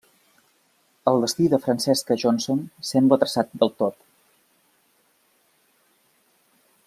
El destí de Francesca Johnson sembla traçat del tot.